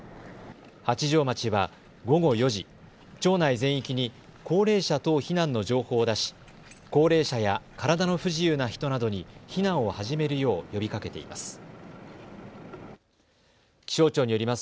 八丈町は午後４時、町内全域に高齢者等避難の情報を出し高齢者や体の不自由な人などに避難を始めるよう呼びかけています。